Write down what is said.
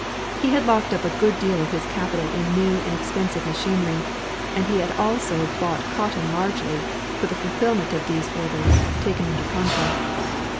He had locked up a good deal of his capital in new and expensive machinery, and he had also bought cotton largely, for the fulfilment of these orders, taken under contract.